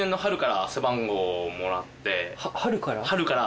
春から？